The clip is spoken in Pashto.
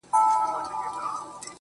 د يواځيتوب احساس یې کړی و